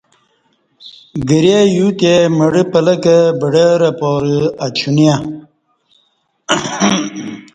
گری یوتے مڑہ پلکہ بڈورہ پارہ اچونیہ